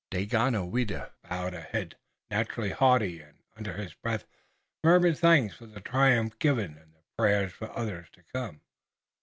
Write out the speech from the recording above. Daganoweda bowed a head naturally haughty and under his breath murmured thanks for the triumph given and prayers for others to come.